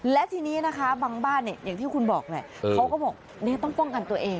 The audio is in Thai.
และทีนี้นะคะบางบ้านอย่างที่คุณบอกแหละเขาก็บอกต้องป้องกันตัวเอง